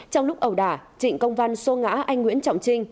trong lúc ẩu đả trịnh công văn xô ngã anh nguyễn trọng trinh